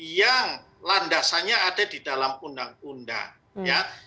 yang landasannya ada di dalam undang undang ya